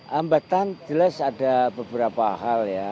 hambatan jelas ada beberapa hal ya